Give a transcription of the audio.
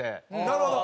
なるほど。